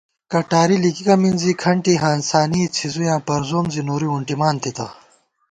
کٹاری لِکِکہ مِنزی کھنٹی ہانسانے څھِزُویاں پروزوم زی نوری وُنٹِمان تِتہ